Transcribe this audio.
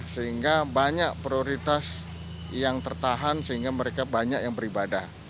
sehingga banyak prioritas yang tertahan sehingga mereka banyak yang beribadah